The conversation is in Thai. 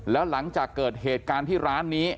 แล้วหลังจากเกิดเหตุการณ์ที่ร้านนี้